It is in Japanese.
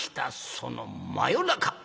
その真夜中。